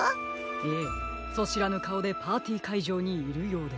ええそしらぬかおでパーティーかいじょうにいるようです。